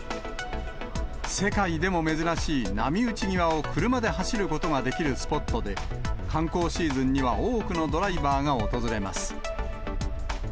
世界でも珍しい波打ち際を車で走ることができるスポットで、観光シーズンには多くのドライバーが訪れます。